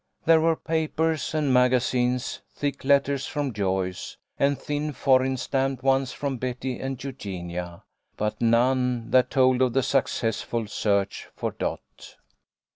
There were papers and maga zines, thick letters from Joyce, and thin foreign stamped ones from Betty and Eugenia, but none that told of a successful search for Dot.